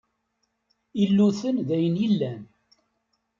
Illuten d ayen yellan.